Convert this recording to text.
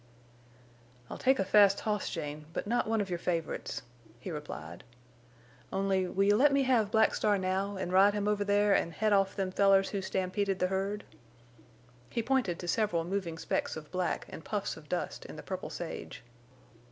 "I'll take a fast hoss, Jane, but not one of your favorites," he replied. "Only—will you let me have Black Star now an' ride him over there an' head off them fellers who stampeded the herd?" He pointed to several moving specks of black and puffs of dust in the purple sage.